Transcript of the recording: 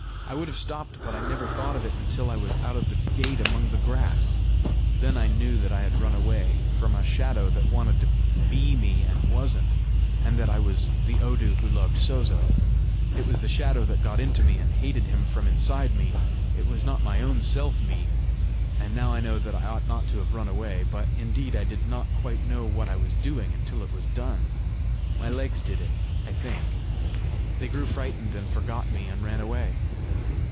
I would have stopped, but I never thought of it until I was out of the gate among the grass. Then I knew that I had run away from a shadow that wanted to be me and wasn't, and that I was the Odu that loved Sozo. It was the shadow that got into me, and hated him from inside me; it was not my own self me! And now I know that I ought not to have run away! But indeed I did not quite know what I was doing until it was done! My legs did it, I think: they grew frightened, and forgot me, and ran away!